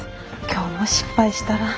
今日も失敗したら。